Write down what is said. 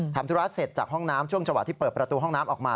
ทำธุระเสร็จจากห้องน้ำช่วงจังหวะที่เปิดประตูห้องน้ำออกมา